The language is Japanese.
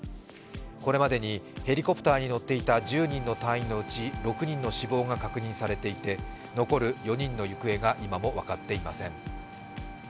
これまでにヘリコプターに乗っていた１０人の隊員のうち６人の死亡が確認されていて残る４人の行方が今も分かっていません。